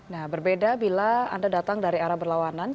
nah berbeda bila anda datang dari arah berlawanan